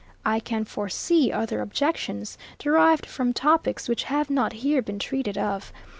I can foresee other objections, derived from topics which have not here been treated of.